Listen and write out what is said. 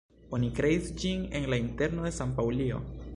Oni kreis ĝin en la interno de San-Paŭlio.